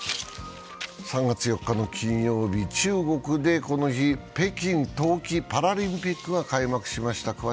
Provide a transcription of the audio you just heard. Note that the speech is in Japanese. ３月４日の金曜日、中国でこの日、北京冬季パラリンピックが開幕しました。